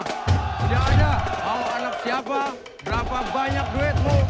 sudah ada mau anak siapa berapa banyak duitmu